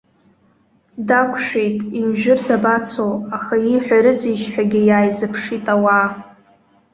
Дақәшәеит, имжәыр дабацо, аха ииҳәарызеишь ҳәагьы иааизыԥшит ауаа.